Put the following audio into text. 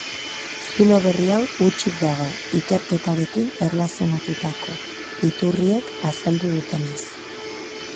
Zulo berri hau hutsik dago, ikerketarekin erlazionatutako iturriek azaldu dutenez.